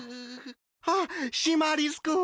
あっシマリス君！